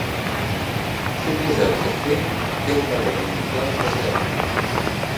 Suposeu que "c" té un valor inicial de zero.